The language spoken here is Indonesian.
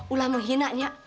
ulah menghina nyet